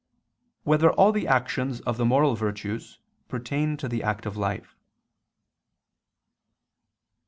1] Whether All the Actions of the Moral Virtues Pertain to the Active Life?